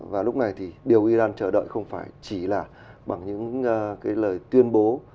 và lúc này thì điều iran chờ đợi không phải chỉ là bằng những cái lời tuyên bố